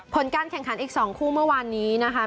ผลการแข่งขันอีก๒คู่เมื่อวานนี้นะคะ